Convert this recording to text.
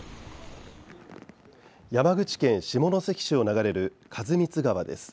山口県下関市を流れる員光川です。